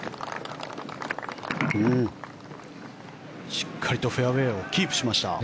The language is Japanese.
しっかりとフェアウェーをキープしました。